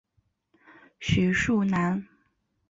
徐树楠。